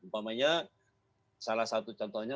maksudnya salah satu contohnya